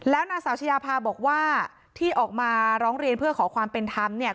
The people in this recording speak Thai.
แล้วนางสาวชายาภาบอกว่าที่ออกมาร้องเรียนเพื่อขอความเป็นธรรมเนี่ย